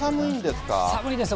寒いですよ。